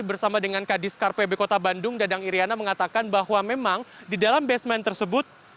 bersama dengan kadiskar pb kota bandung dadang iryana mengatakan bahwa memang di dalam basement tersebut